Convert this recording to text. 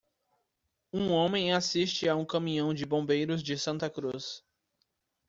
Um homem assiste a um caminhão de bombeiros de Santa Cruz.